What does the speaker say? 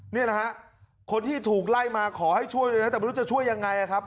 นี่แหละฮะคนที่ถูกไล่มาขอให้ช่วยเลยนะแต่ไม่รู้จะช่วยยังไงครับ